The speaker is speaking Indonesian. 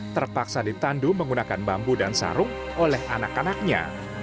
terpaksa ditandu menggunakan bambu dan sarung oleh anak anaknya